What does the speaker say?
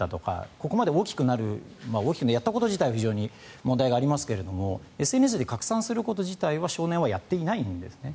ここまで大きくなるやったこと自体は問題がありますがＳＮＳで拡散すること自体は少年はやっていないんですね。